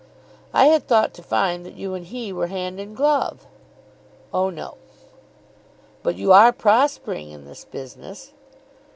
"I had thought to find that you and he were hand and glove." "Oh no." "But you are prospering in this business?"